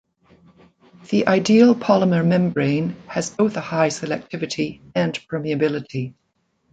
The ideal polymer membrane has both a high selectivity and permeability.